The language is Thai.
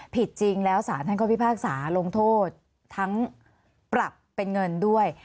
ผิดจริงแล้วสาธารณ์ความพิพากษาลงโทษทั้งปรับเป็นเงินด้วย